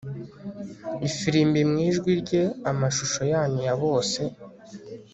Ifirimbi mu ijwi rye Amashusho yanyuma ya bose